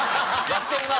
やってるな。